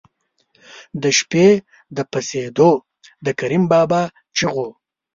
د شپې د پسېدو د کریم بابا چغو.